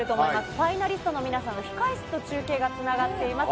ファイナリストの皆さんがいる控え室と中継がつながっています。